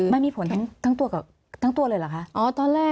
ไม่มีผลทั้งตัวเลยเหรอคะ